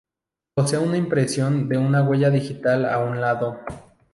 Posee una impresión de una huella digital a un lado.